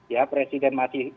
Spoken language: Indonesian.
ya presiden masih